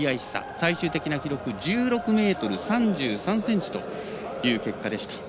最終的な記録１６ｍ３３ｃｍという記録でした。